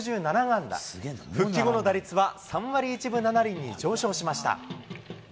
復帰後の打率は３割１分７厘に上昇しました。